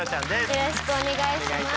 よろしくお願いします。